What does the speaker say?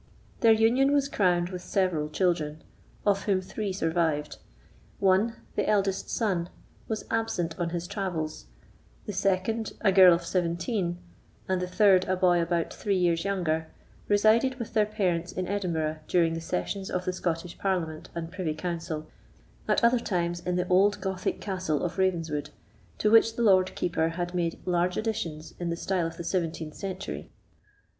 Their union was crowned with several children, of whom three survived. One, the eldest son, was absent on his travels; the second, a girl of seventeen, and the third, a boy about three years younger, resided with their parents in Edinburgh during the sessions of the Scottish Parliament and Privy Council, at other times in the old Gothic castle of Ravenswood, to which the Lord Keeper had made large additions in the style of the 17th century.